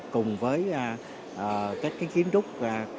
cùng với sở du lịch đều là một trong những điểm đến đầu tiên của du lịch tp hcm